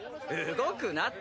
動くなって。